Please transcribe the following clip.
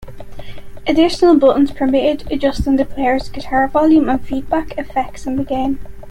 Additional buttons permitted adjusting the player's guitar volume and feedback effects in the game.